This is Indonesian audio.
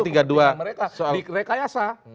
soal mereka di rekayasa